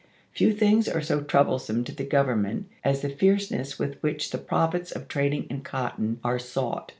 Few things are so troublesome to the Government as the fierceness with which the profits of trading in cotton are sought.